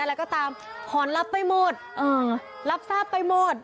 อะไรก็ตามขอนลับไปหมดรับทราบไปหมด